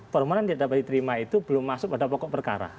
permohonan yang tidak dapat diterima itu belum masuk pada pokok perkara